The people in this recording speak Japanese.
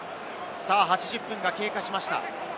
８０分が経過しました。